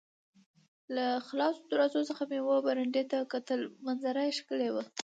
له خلاصو دروازو څخه مې وه برنډې ته کتل، منظره یې ښکلې وه.